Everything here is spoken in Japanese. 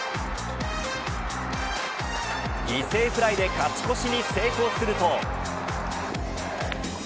犠牲フライで勝ち越しに成功すると。